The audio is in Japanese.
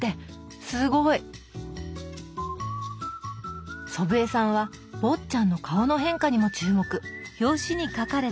すごい！祖父江さんは坊っちゃんの顔の変化にも注目。